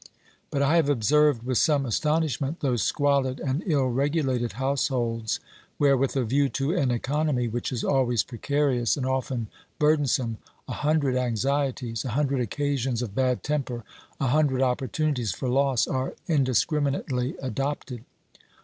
But I have observed, with some astonishment, those squalid and ill regulated households where, with a view to an economy which is always precarious and often burden some, a hundred anxieties, a hundred occasions of bad temper, a hundred opportunities for loss are indiscrimi nately adopted.